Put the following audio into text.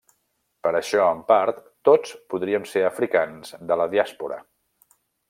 Per això, en part, tots podríem ser africans de la diàspora.